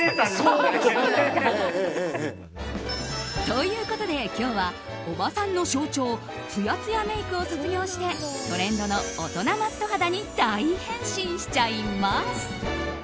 ということで、今日はおばさんの象徴ツヤツヤメイクを卒業してトレンドの大人マット肌に大変身しちゃいます。